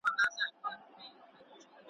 مسخره هغه ده، چي ولگېږي، يا و نه لگېږي.